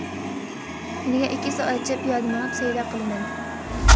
كۈنىگە ئىككى سائەتچە پىيادە مېڭىپ، سەيلە قىلىمەن.